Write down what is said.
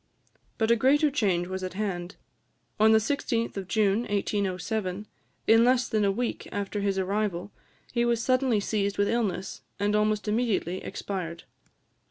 But a greater change was at hand; on the 16th of June 1807, in less than a week after his arrival, he was suddenly seized with illness, and almost immediately expired.